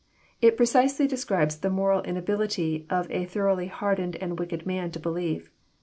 '* It precisely describes the moral inability of a thoroughly hardened and wicked man to believe.